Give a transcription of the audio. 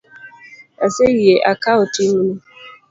Aseyie akawo ting’ni